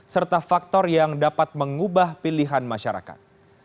serta faktor yang dapat mengubah pilihan masyarakat